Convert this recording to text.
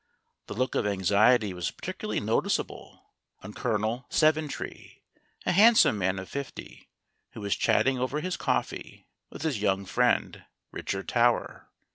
The look of anxiety was par ticularly noticeable on Colonel Seventree, a handsome man of fifty, who was chatting over his coffee with his young friend, Richard Tower.